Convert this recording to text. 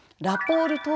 ラポール。